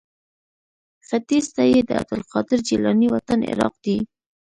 ختیځ ته یې د عبدالقادر جیلاني وطن عراق دی.